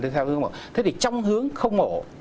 thế thì trong hướng không mổ